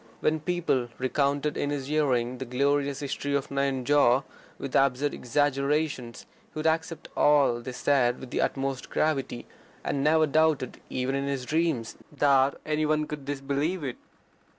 When people recounted in his hearing the glorious history of Nayanjore with absurd exaggerations he would accept all they said with the utmost gravity, and never doubted, even in his dreams, that any one could disbelieve it.